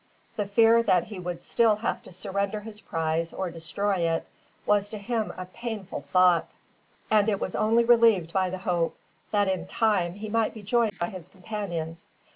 The fear that he would still have to surrender his prize or destroy it, was to him a painful thought, and it was only relieved by the hope that in time he might be joined by his companions.